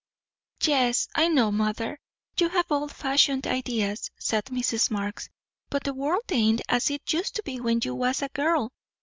"Yes, I know, mother, you have old fashioned ideas," said Mrs. Marx; "but the world ain't as it used to be when you was a girl.